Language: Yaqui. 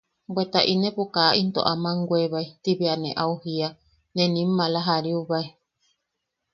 –Bweta inepo kaa into aman weebae –ti bea ne au jiia -ne nim maala jariubae.